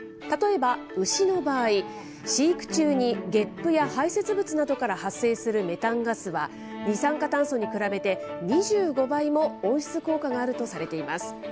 例えば、牛の場合、飼育中にげっぷや排せつ物などから発生するメタンガスは、二酸化炭素に比べて２５倍も温室効果があるとされています。